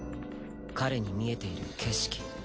彼に見えている景色